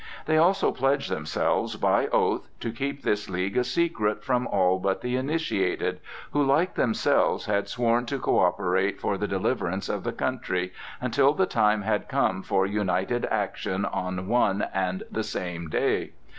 They also pledged themselves by oath to keep this league a secret from all but the initiated, who like themselves had sworn to coöperate for the deliverance of the country, until the time had come for united action on one and the same day.